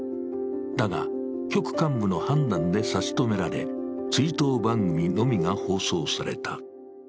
だが、局幹部の判断で差し止められ追悼番組のみが放送された。